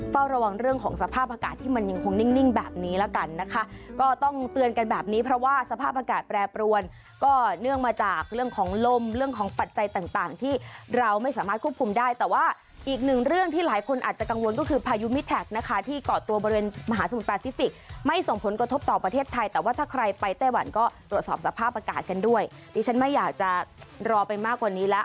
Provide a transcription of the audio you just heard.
เฝ้าระวังเรื่องของสภาพอากาศที่มันยังคงนิ่งแบบนี้แล้วกันนะคะก็ต้องเตือนกันแบบนี้เพราะว่าสภาพอากาศแปรปรวนก็เนื่องมาจากเรื่องของลมเรื่องของปัจจัยต่างที่เราไม่สามารถควบคุมได้แต่ว่าอีกหนึ่งเรื่องที่หลายคนอาจจะกังวลก็คือพายุมิทรักนะคะที่เกาะตัวบริเวณมหาสมุทรประซิฟิกส์ไม่ส่